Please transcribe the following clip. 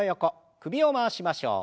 首を回しましょう。